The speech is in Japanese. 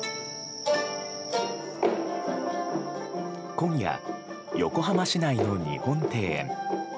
今夜、横浜市内の日本庭園。